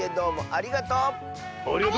ありがとう！